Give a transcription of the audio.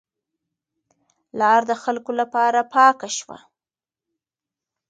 لار د خلکو لپاره پاکه شوه.